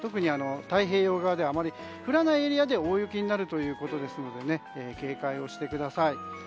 太平洋側では降らないエリアで大雪になるということですので警戒をしてください。